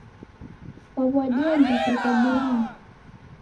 Kwaw'adie ndighi rebulana?